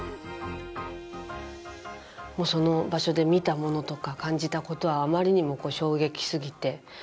もう、その場所で見たものとか感じたことはあまりにも衝撃すぎて。